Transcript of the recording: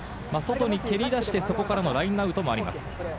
外に蹴り出して、そこからのラインアウトもあります。